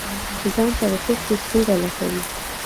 ځان ته د تېښتې سوړه لټوي.